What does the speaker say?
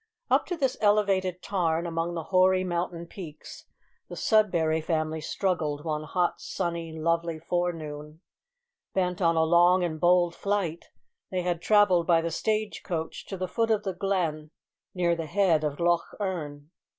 Up to this elevated tarn, among the hoary mountain peaks, the Sudberry Family struggled one hot, sunny, lovely forenoon. Bent on a long and bold flight, they had travelled by the stage coach to the foot of the glen, near the head of Loch Earn.